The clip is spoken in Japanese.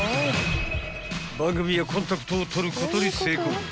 ［番組はコンタクトを取ることに成功］